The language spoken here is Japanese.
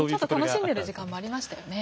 楽しんでる時間もありましたよね。